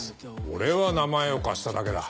俺は名前を貸しただけだ。